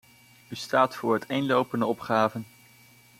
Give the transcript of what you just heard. U staat voor uiteenlopende opgaven.